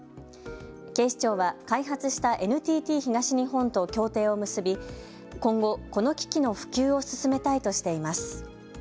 警視庁は開発したＮＴＴ東日本と協定を結び今後、この機器の普及を進めたいとしています。